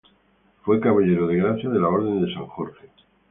Fue Caballero de Gracia de la Orden de San Jorge.